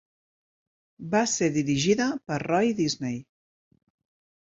Va ser dirigida per Roy Disney.